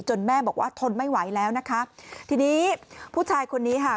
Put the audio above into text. แม่บอกว่าทนไม่ไหวแล้วนะคะทีนี้ผู้ชายคนนี้ค่ะ